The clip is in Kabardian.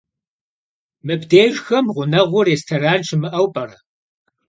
Mıbdêjjxem ğuneğuu rêstoran şımı'eu p'ere?